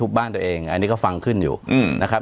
บ้านตัวเองอันนี้ก็ฟังขึ้นอยู่นะครับ